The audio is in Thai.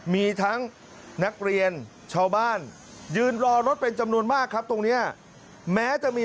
มีทั้งนักเรียนชาวบ้านยืนรอรถเป็นจำนวนมากครับตรงนี้แม้จะมี